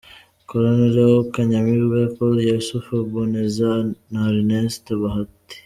Colonel Léon Kanyamibwa, Col. Yusuf Mboneza na Erasto Bahati.